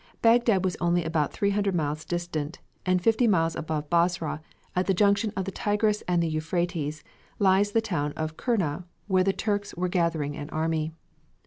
Bagdad was only about three hundred miles distant; and fifty miles above Basra, at the junction of the Tigris and the Euphrates, lies the town of Kurna where the Turks were gathering an army.